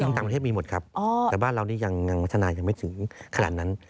จริงต่างประเทศมีหมดครับแต่ว่าเรานี้ยังไม่ถึงขนาดนั้น